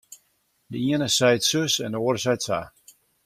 De iene seit sus en de oare seit sa.